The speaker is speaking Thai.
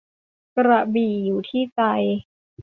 กระบี่อยู่ที่ใจ